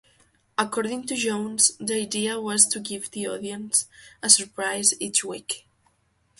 According to Jones, the idea was to give the audience a surprise each week.